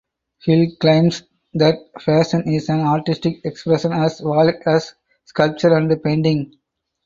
Hill claims that fashion is an artistic expression as valid as sculpture and painting.